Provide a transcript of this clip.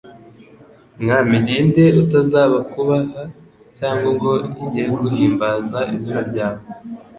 Mwami ni nde utazakubaha cyangwa ngo ye guhimbaza Izina ryawe?